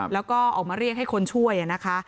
แล้วก็ออกมาเรียกให้คนช่วยนะคะ